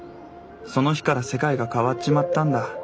その日から世界が変わっちまったんだ。